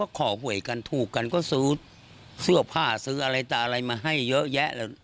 ขอหวยกันถูกกันก็ซื้อเสื้อผ้าซื้ออะไรต่ออะไรมาให้เยอะแยะแล้ว